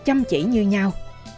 chăm chỉ như nhau